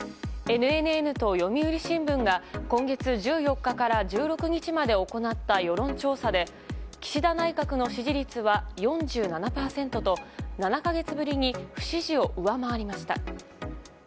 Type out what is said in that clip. ＮＮＮと読売新聞が今月１４日から１６日まで行った世論調査で、岸田内閣の支持率は４７％と７か月ぶりに不支持を上回りました。